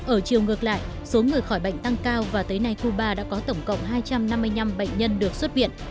ở chiều ngược lại số người khỏi bệnh tăng cao và tới nay cuba đã có tổng cộng hai trăm năm mươi năm bệnh nhân được xuất viện